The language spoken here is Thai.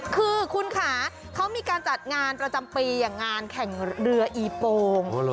คือคุณค่ะเขามีการจัดงานประจำปีอย่างงานแข่งเรืออีโปง